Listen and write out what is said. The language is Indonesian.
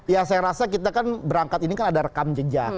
ya saya rasa kita kan berangkat ini kan ada rekam jejak